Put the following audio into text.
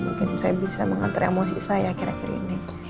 mungkin saya bisa mengantri emosi saya kira kira ini